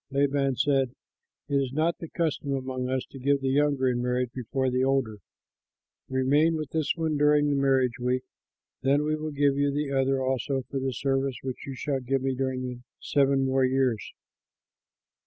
Laban said, "It is not the custom among us to give the younger in marriage before the older. Remain with this one during the marriage week, then we will give you the other also for the service which you shall give me during seven more years."